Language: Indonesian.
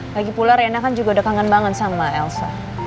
lagipula rena kan juga udah kangen banget sama elsa